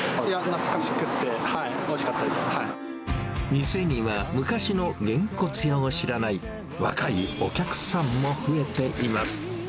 懐かしくて、おいしかったで店には、昔のげんこつ屋を知らない、若いお客さんも増えています。